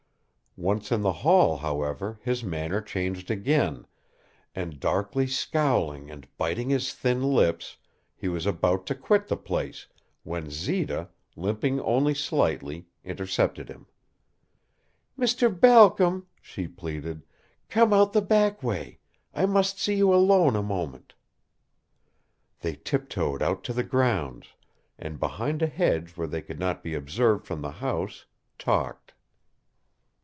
Once in the hall, however, his manner changed again, and, darkly scowling and biting his thin lips, he was about to quit the place, when Zita, limping only slightly, intercepted him. "Mr. Balcom," she pleaded, "come out the back way. I must see you alone a moment." They tiptoed out to the grounds, and, behind a hedge where they could not be observed from the house, talked.